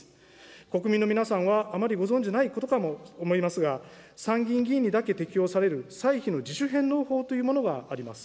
国民の皆さんは、あまりご存じないことかと思いますが、参議院議員にだけ適用される、歳費の自主返納法というものがあります。